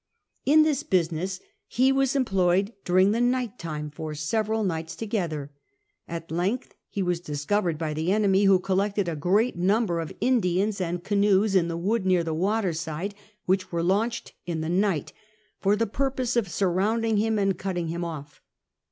In this business he was employed during the night time for scweral nights together. At length he was discovered by the enpmy, who collected a great number of Indians and canoes in a wood near the waterside, which were launched in the night for the purpose of surrounding him and cutting him off.